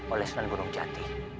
oleh sunan gunung jati